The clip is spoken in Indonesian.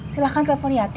silahkan telepon yati